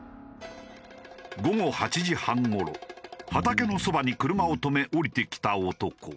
午後８時半頃畑のそばに車を止め降りてきた男。